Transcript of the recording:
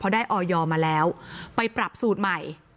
ได้ออยมาแล้วไปปรับสูตรใหม่